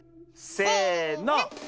せの。